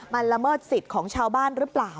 มันละเมิดสิทธิ์ของชาวบ้านหรือเปล่า